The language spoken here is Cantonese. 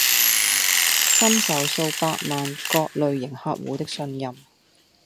深受數百萬各類型客戶的信任